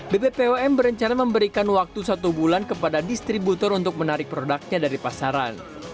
bppom berencana memberikan waktu satu bulan kepada distributor untuk menarik produknya dari pasaran